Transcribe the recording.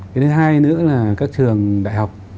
cái thứ hai nữa là các trường đại học